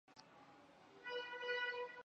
病童亦会出现发大性心脏肌肉病变。